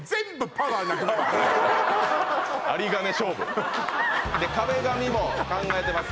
何で壁紙も考えてます